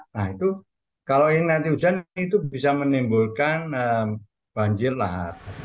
nah itu kalau ini nanti hujan itu bisa menimbulkan banjir lah